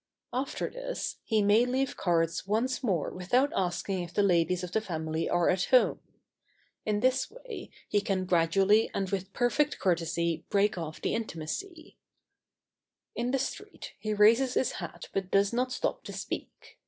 After this, he may leave cards once more without asking if the ladies of the family are at home. In this way he can gradually and with perfect courtesy break off the intimacy. [Sidenote: In the street.] In the street he raises his hat but does not stop to speak.